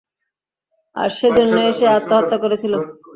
আর সেজন্যই সে আত্মহত্যা করেছিল।